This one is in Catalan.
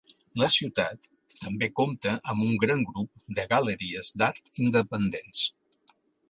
La ciutat també compta amb un gran grup de galeries d'art independents.